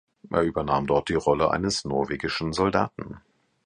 Er übernahm dort die Rolle eines norwegischen Soldaten.